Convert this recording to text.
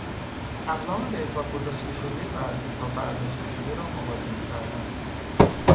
اقلام به حساب گذاشته شده و از حساب برداشت شده را موازنه کردن